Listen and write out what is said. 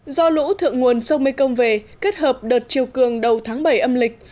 do lũ thượng nguồn sông mê công về kết hợp đợt chiều cường đầu tháng bảy âm lịch